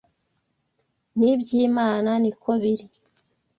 N’iby’Imana ni ko biri